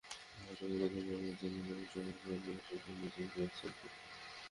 হয়তো কোনো নতুন বোলারের জন্য প্রশংসার মানদণ্ডটা শেষই হতো মিচেল জনসনে।